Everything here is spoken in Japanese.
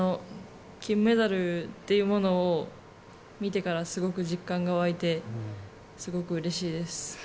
金メダルというものを見てからすごく実感が湧いてすごくうれしいです。